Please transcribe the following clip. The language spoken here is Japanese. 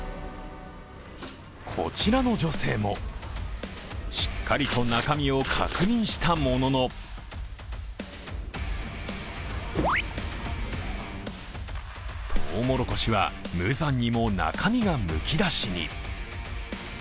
こちらの女性もしっかりと中身を確認したもののとうもろこしは無残にも中身がむき出しに。